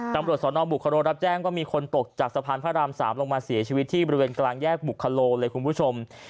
ตำรวจสนบุคโรรับแจ้งว่ามีคนตกจากสะพานพระราม๓ลงมาเสียชีวิตที่บริเวณกลางแยกบุคโลเลยคุณผู้ชม